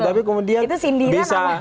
tapi kemudian bisa